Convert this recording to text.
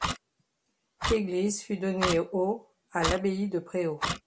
L'église fut donnée au à l'abbaye de Préaux.